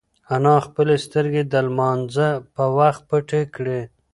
انا خپلې سترگې د لمانځه په وخت پټې کړې.